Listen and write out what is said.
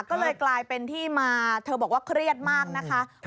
ก็เลยกลายเป็นที่มาเธอบอกว่าเครียดมากนะคะ